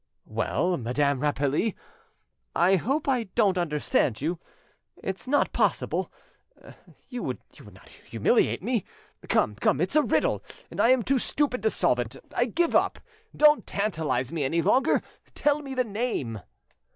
"Well, Madame Rapally—I hope I don't understand you; it's not possible; you would not humiliate me. Come, come, it's a riddle, and I am too stupid to solve it. I give it up. Don't tantalise me any longer; tell me the name."